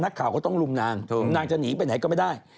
นักข่าวก็ต้องลุมนางนางจะหนีไปไหนก็ไม่ได้